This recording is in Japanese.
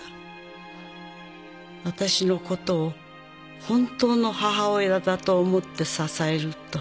「私のことを本当の母親だと思って支えると」